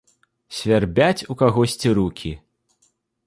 Свярбяць у кагосьці рукі.